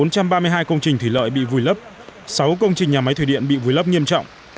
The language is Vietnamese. bốn trăm ba mươi hai công trình thủy lợi bị vùi lấp sáu công trình nhà máy thủy điện bị vùi lấp nghiêm trọng